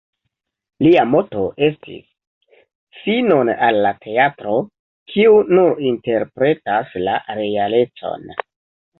Lia moto estis: "„Finon al la teatro, kiu nur interpretas la realecon!